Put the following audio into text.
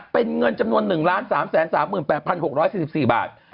เป็นเงินจำนวน๑๓๓๘๖๔๔บาท